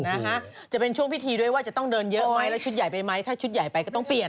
นะฮะจะเป็นช่วงพิธีด้วยว่าจะต้องเดินเยอะไหมแล้วชุดใหญ่ไปไหมถ้าชุดใหญ่ไปก็ต้องเปลี่ยน